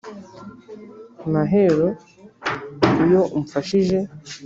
Mahero iyo umfashije